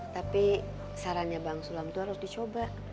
tapi sarannya bang sulam itu harus dicoba